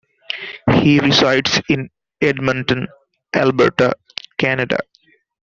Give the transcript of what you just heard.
He resides in Edmonton, Alberta, Canada.